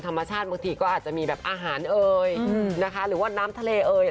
ธรรมชาติบางทีก็มีแบบอาหารเอยหรือน้ำทะเลเอย